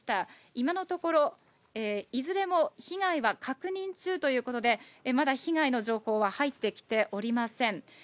今のところ、いずれも被害は確認中ということで、まだ被害の情報は入ってきておりません。